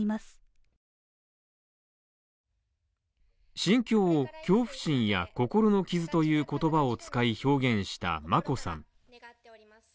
心境を恐怖心や心の傷という言葉を使い、表現した眞子さん。